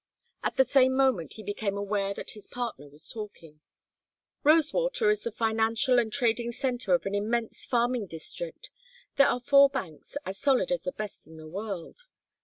At the same moment he became aware that his partner was talking. "Rosewater is the financial and trading centre of an immense farming district. There are four banks, as solid as the best in the world.